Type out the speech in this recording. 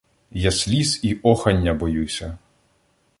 Я сліз і охання боюся